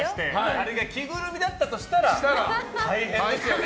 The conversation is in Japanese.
あれが着ぐるみだったとしたら大変ですよね。